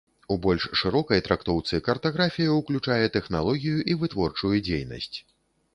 У больш шырокай трактоўцы картаграфія ўключае тэхналогію і вытворчую дзейнасць.